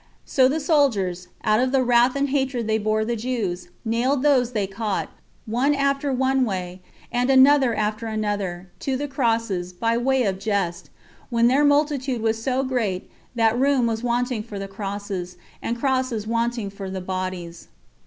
So the soldiers, out of the wrath and hatred they bore the Jews, nailed those they caught, one after one way, and another after another, to the crosses, by way of jest, when their multitude was so great, that room was wanting for the crosses, and crosses wanting for the bodies.